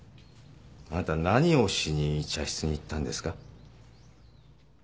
あなた何をしに茶室に行ったんですか？